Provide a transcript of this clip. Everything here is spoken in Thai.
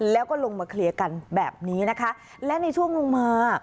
แล้วก็ลงมาเคลียร์กันแบบนี้นะคะและในช่วงลงมา